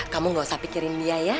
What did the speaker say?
kamu gak usah pikirin dia ya